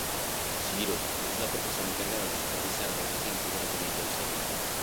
Chihiro es la profesora encargada de supervisar a los residentes de los dormitorios Sakura.